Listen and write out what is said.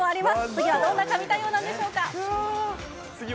次はどんな神対応なんでしょうか。